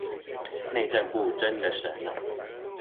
內政部真的神了